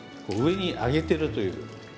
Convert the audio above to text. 上に上げてるという。